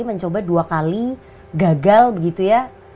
mencoba dua kali gagal begitu ya